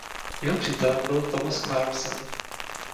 Jeho přítelem byl Thomas Clarkson.